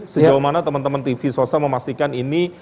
sejauh mana teman teman tv swasta memastikan ini